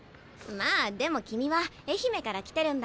まあでも君は愛媛から来てるんだ。